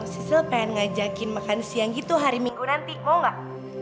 sisle pengen ngajakin makan siang gitu hari minggu nanti kok gak